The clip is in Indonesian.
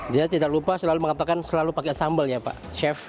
dia tidak lupa selalu mengatakan selalu pakai sambal ya pak chef